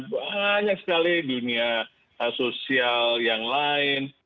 banyak sekali dunia sosial yang lain